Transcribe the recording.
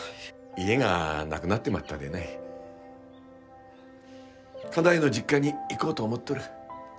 家がなくなってまったでね家内の実家に行こうと思っとる。